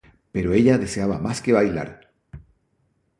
Pero ella deseaba más que bailar.